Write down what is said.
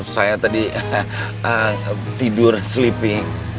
saya tadi tidur sleeping